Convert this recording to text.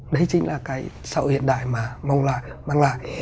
đấy chính là cái sậu hiện đại mà mang lại